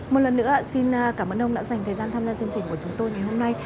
một lần nữa xin cảm ơn ông đã dành thời gian tham gia chương trình của chúng tôi ngày hôm nay